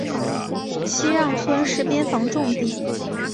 西让村是边防重地。